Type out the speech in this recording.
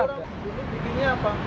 ini bikinnya apa